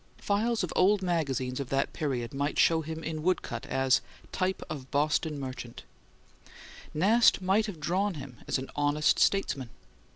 Files of old magazines of that period might show him, in woodcut, as, "Type of Boston Merchant"; Nast might have drawn him as an honest statesman.